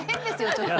ちょっと。